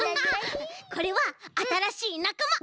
これはあたらしいなかま。